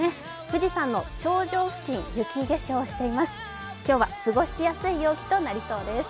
富士山の頂上付近、雪化粧しています。